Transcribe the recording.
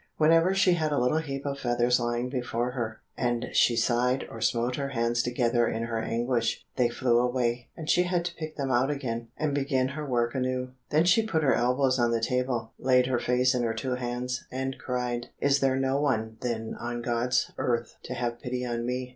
Whenever she had a little heap of feathers lying before her, and she sighed or smote her hands together in her anguish, they flew away, and she had to pick them out again, and begin her work anew. Then she put her elbows on the table, laid her face in her two hands, and cried, "Is there no one, then, on God's earth to have pity on me?"